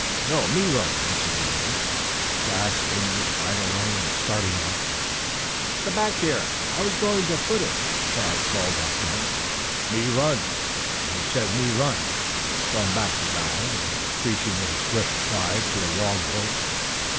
"No, me run," answered the Indian, grasping the bridle rein and starting off. "Come back here! I was going to foot it," Tad called after him. "Me run. Me said me run," flung back the guide, increasing his swift stride to a long lope.